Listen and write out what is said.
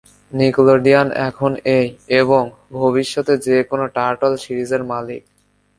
নিকেলোডিয়ান এখন এই এবং ভবিষ্যতে যে কোন টার্টল সিরিজের মালিক।